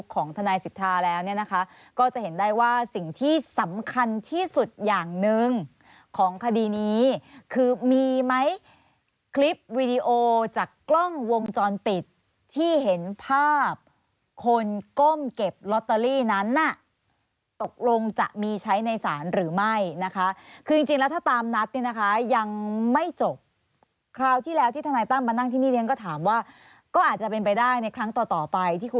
ของทนายสิทธาแล้วเนี่ยนะคะก็จะเห็นได้ว่าสิ่งที่สำคัญที่สุดอย่างหนึ่งของคดีนี้คือมีไหมคลิปวีดีโอจากกล้องวงจรปิดที่เห็นภาพคนก้มเก็บลอตเตอรี่นั้นน่ะตกลงจะมีใช้ในศาลหรือไม่นะคะคือจริงแล้วถ้าตามนัดเนี่ยนะคะยังไม่จบคราวที่แล้วที่ทนายตั้มมานั่งที่นี่เรียนก็ถามว่าก็อาจจะเป็นไปได้ในครั้งต่อต่อไปที่คุณ